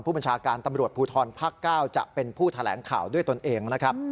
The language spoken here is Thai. ผู้บัญชาการตำรวจภูทรภาค๙จะเป็นผู้แถลงข่าวด้วยตนเองนะครับ